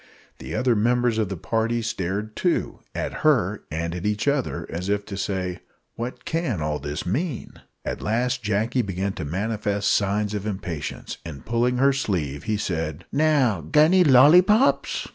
The other members of the party stared too at her and at each other as if to say, "What can all this mean?" At last Jacky began to manifest signs of impatience, and, pulling her sleeve, he said "Now, g'anny, lollipops!"